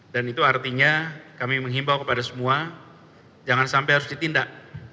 dan itu artinya kami menghimbau kepada semua jangan sampai harus ditindak